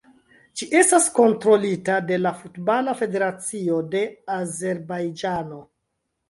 Ĝi estas kontrolita de la Futbala Federacio de Azerbajĝano.